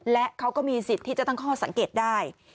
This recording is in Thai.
และเขาก็มีสิทธิ์ที่จะตั้งข้อสังเกตได้